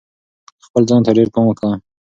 خپل ځان ته ډېر پام کوه.